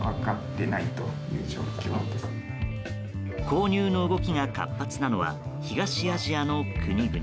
購入の動きが活発なのは東アジアの国々。